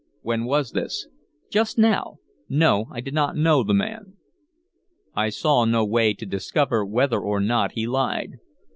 "When was this?" "Just now. No, I did n't know the man." I saw no way to discover whether or not he lied.